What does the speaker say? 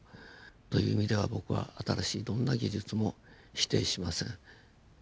という意味では僕は新しいどんな技術も否定しません。